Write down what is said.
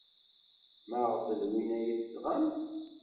Maɣef d win ay d-tesɣamt?